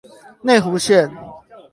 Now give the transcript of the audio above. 內湖線